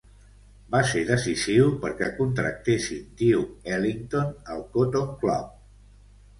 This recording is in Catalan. Va ser decisiu perquè contractessin Duke Ellington al Cotton Club.